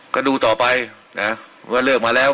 ก็ดูต่อไปนะเพราะว่าเลือกมาแล้ว